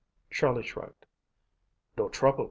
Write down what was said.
Charlie shrugged. "No trouble.